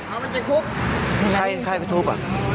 เอาไว้ติดทุบ